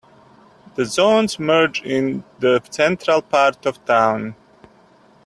The zones merge in the central part of town.